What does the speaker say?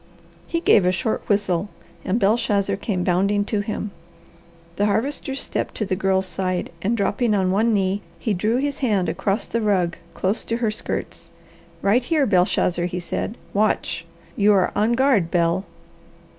He gave a short whistle and Belshazzar came bounding to him. The Harvester stepped to the Girl's side, and dropping on one knee, he drew his hand across the rug close to her skirts. "Right here, Belshazzar," he said. "Watch! You are on guard, Bel."